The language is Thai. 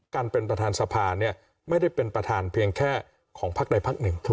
การเป็นประธานสภาเนี่ยไม่ได้เป็นประธานเพียงแค่ของพักใดพักหนึ่ง